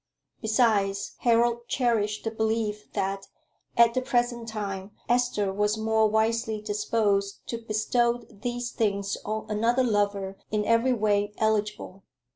Besides, Harold cherished the belief that, at the present time, Esther was more wisely disposed to bestow these things on another lover in every way eligible.